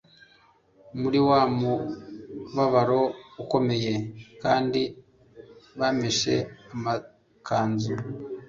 muri wa mubabaro ukomeye kandi bameshe amakanzu